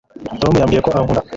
tom yambwiye ko ankunda